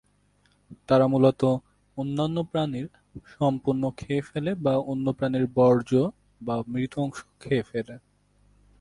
তারা মূলত অন্যান্য প্রাণীর সম্পূর্ণ খেয়ে ফেলে বা অন্য প্রাণীর বর্জ্য বা মৃত অংশ খেয়ে ফেলে।